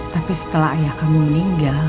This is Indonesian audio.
tapi setelah ayah kamu meninggal